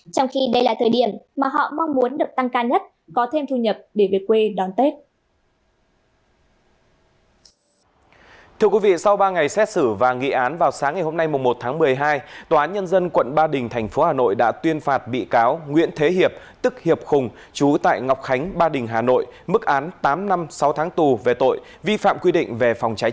trong khi đây là thời điểm mà họ mong muốn được tăng ca nhất có thêm thu nhập để về quê